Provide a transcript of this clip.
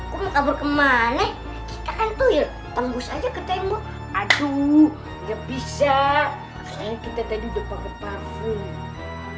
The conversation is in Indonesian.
kabur kemana kita kan tuh ya tembus aja ke tembok aduh nggak bisa kita tadi udah pake parfum